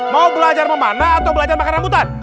mau belajar memanah atau belajar makan rambutan